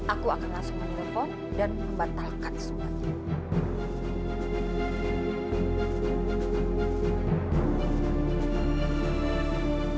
aku akan langsung menelpon dan membatalkan semuanya